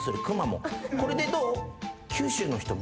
これでどう？